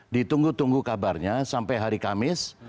ditunggu tunggu kabarnya sampai hari kamis